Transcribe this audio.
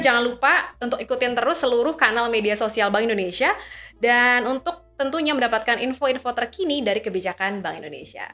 jangan lupa untuk ikutin terus seluruh kanal media sosial bank indonesia dan untuk tentunya mendapatkan info info terkini dari kebijakan bank indonesia